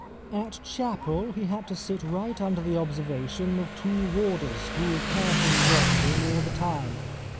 At chapel he had to sit right under the observation of two warders, who carefully watched him all the time.